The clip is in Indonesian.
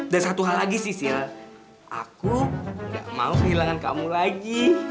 dan satu hal lagi sisil aku gak mau kehilangan kamu lagi